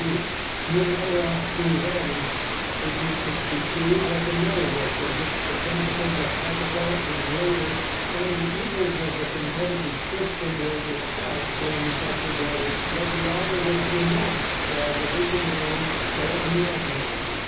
Munera Pulveris (1862) was another work in which the principles of capital and labor and the evils of the competitive system were discussed in such a way that the author was denounced as a visionary or a madman.